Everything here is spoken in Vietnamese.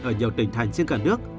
ở nhiều tỉnh thành trên cả nước